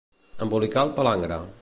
Embolicar el palangre.